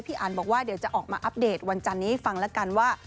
พี่อ่านบอกว่าเดี๋ยวจะออกมาอัปเดตวันจันทร์นี้ให้ฟังละกันว่า